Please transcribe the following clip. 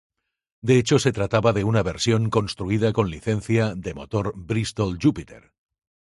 De hecho se trataba de una versión construida con licencia de motor Bristol Jupiter.